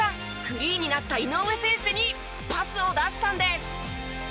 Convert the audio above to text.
フリーになった井上選手にパスを出したんです。